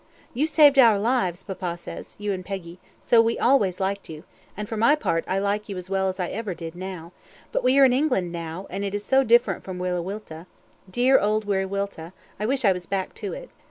"You saved our lives, papa says you and Peggy and so we always liked you; and, for my part, I like you as well as ever I did now; but we are in England now, and it is so different from Wiriwilta dear old Wiriwilta, I wish I was back to it.